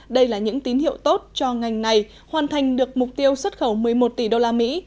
đây là những tín hiệu tốt cho ngành này hoàn thành được mục tiêu xuất khẩu một mươi một tỷ đô la mỹ